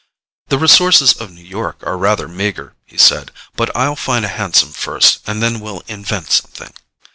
"The resources of New York are rather meagre," he said; "but I'll find a hansom first, and then we'll invent something."